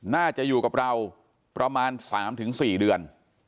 น่าจะอยู่กับเราประมาณ๓๔เดือน